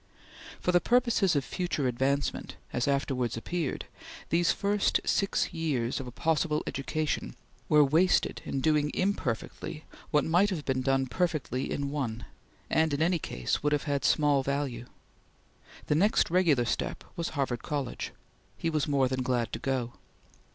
For the purposes of future advancement, as afterwards appeared, these first six years of a possible education were wasted in doing imperfectly what might have been done perfectly in one, and in any case would have had small value. The next regular step was Harvard College. He was more than glad to go.